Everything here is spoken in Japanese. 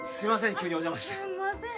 急にお邪魔してすんません